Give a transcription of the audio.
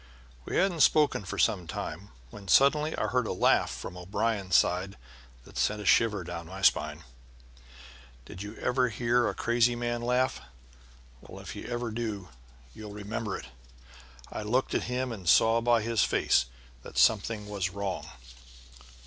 We hadn't spoken for some time, when suddenly I heard a laugh from O'Brien's side that sent a shiver down my spine. Did you ever hear a crazy man laugh? Well, if ever you do, you'll remember it. I looked at him and saw by his face that something was wrong.